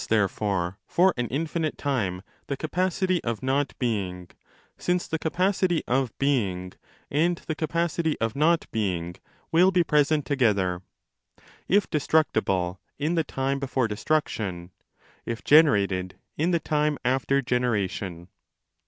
12 therefore for an infinite time the capacity of not being (since the capacity of being and the capacity of not being will be present together), if destructible, in the time before destruction, if generated, in the time after generation.